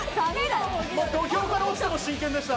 土俵から落ちても真剣でした。